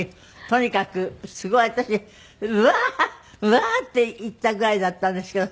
とにかくすごい私「うわーうわー」って言ったぐらいだったんですけど。